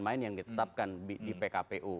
main yang ditetapkan di pkpu